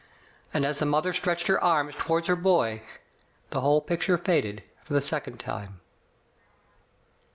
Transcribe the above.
And as the mother stretched her arms toward her boy the whole picture faded for the second time.